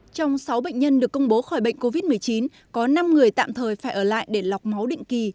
trong sáu bệnh nhân được công bố khỏi bệnh covid một mươi chín có năm người tạm thời phải ở lại để lọc máu định kỳ